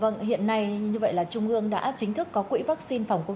vâng hiện nay như vậy là trung ương đã chính thức có quỹ vắc xin phòng covid một mươi chín